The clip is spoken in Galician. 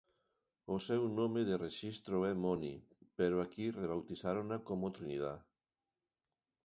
O seu nome de rexistro é Moni, pero aquí rebautizárona como Trinidad.